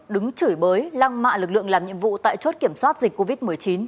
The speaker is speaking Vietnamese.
đứng chửi bới lăng mạ lực lượng làm nhiệm vụ tại chốt kiểm soát dịch covid một mươi chín